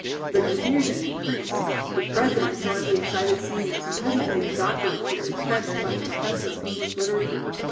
The confusion increased. The President joined the excited seniors and presently the doctor appeared, fetched by the Professor of English Literature.